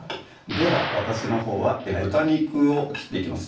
では私のほうは豚肉を切っていきます